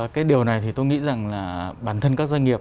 cái điều này thì tôi nghĩ rằng là bản thân các doanh nghiệp